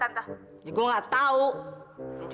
jangan gini gini gitu sih